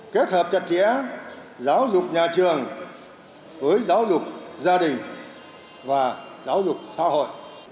kết hợp chặt chẽ giáo dục nhà trường với giáo dục gia đình và giáo dục xã hội